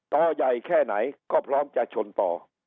ต่อใหญ่แค่ไหนก็พร้อมจะชนต่อ